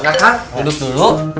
mak kak duduk dulu